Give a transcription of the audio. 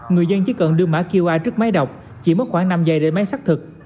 người dân chỉ cần đưa mã qr trước máy đọc chỉ mất khoảng năm giây để máy xác thực